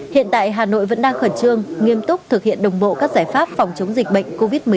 hiện tại hà nội vẫn đang khẩn trương nghiêm túc thực hiện đồng bộ các giải pháp phòng chống dịch bệnh